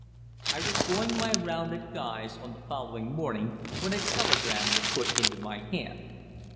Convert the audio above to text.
I was going my round at Guy's on the following morning when a telegram was put into my hand.